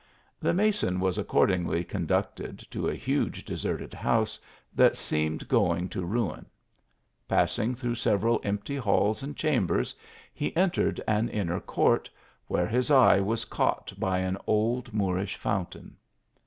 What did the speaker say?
The mason was accordingly conducted to a huge deserted house that seemed going to ruin. Passing through several empty halls and chambers, he en tered an inner court, where his eye was caught by an old Moorish fountain.